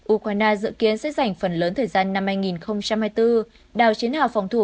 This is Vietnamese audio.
ukraine dự kiến sẽ dành phần lớn thời gian năm hai nghìn hai mươi bốn đào chiến hào phòng thủ